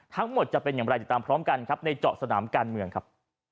ทั้งหมดจะเป็นอย่างไรติดตามพร้อมกันครับในเจาะสนามการเมืองครับ